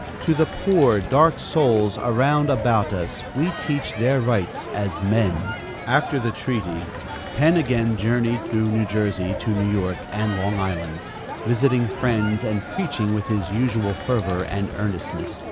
To the poor, dark souls around about us we teach their rights as men.'" After the treaty, Penn again journeyed through New Jersey to New York and Long Island, visiting friends and preaching with his usual fervor and earnestness.